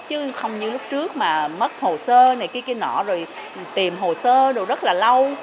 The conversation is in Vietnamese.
chứ không như lúc trước mà mất hồ sơ này cái cái nọ rồi tìm hồ sơ rồi rất là lâu